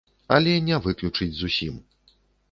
Але не выключыць зусім!